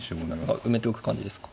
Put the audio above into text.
埋めておく感じですか。